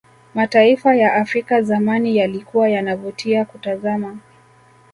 mataifa ya afrika zamani yalikuwa yanavutia kutazama